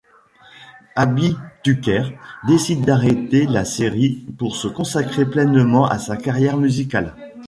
Abi Tucker décide d’arrêter la série pour se consacrer pleinement à sa carrière musicale.